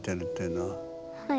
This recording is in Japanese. はい。